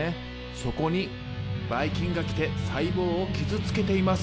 そこにバイ菌が来て細胞を傷つけています。